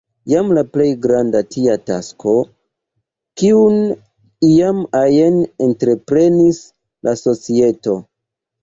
Jen la plej granda tia tasko, kiun iam ajn entreprenis la societo.